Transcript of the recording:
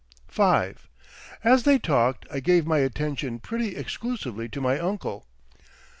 V As they talked I gave my attention pretty exclusively to my uncle.